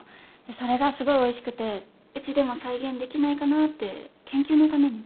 それがすごいおいしくてうちでも再現できないかなって研究のために。